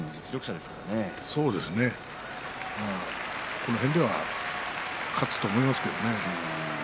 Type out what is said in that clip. この辺では勝つと思いますけどね。